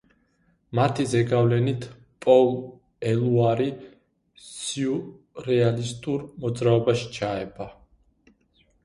მათი ზეგავლენით პოლ ელუარი სიურრეალისტურ მოძრაობაში ჩაება.